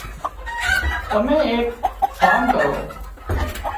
تمين ايڪ ڪام ڪرو